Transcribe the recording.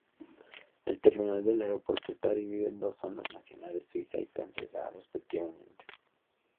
El terminal del aeropuerto está dividido en dos zonas nacionales, suiza y francesa, respectivamente.